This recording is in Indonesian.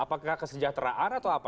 apakah kesejahteraan atau apa